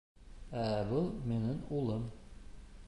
Ә был минең улым